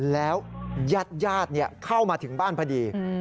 แล้วญาติเข้ามาถึงบ้านพอดี